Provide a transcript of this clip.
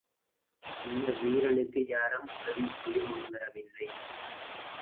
அந்த வீரனுக்கு யாரும் உதவிபுரிய முன் வரவில்லை.